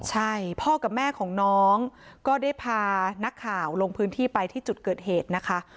ใช่พ่อกับแม่ของน้องก็ได้พานักข่าวลงพื้นที่ไปที่จุดเกิดเหตุนะคะ